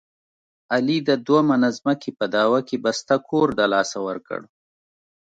علي د دوه منه ځمکې په دعوه کې بسته کور دلاسه ورکړ.